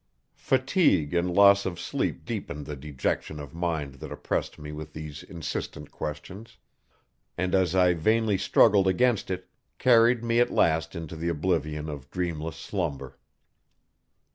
Fatigue and loss of sleep deepened the dejection of mind that oppressed me with these insistent questions, and as I vainly struggled against it, carried me at last into the oblivion of dreamless slumber.